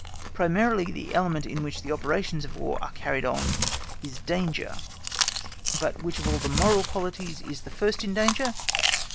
Primarily the element in which the operations of War are carried on is danger; but which of all the moral qualities is the first in danger?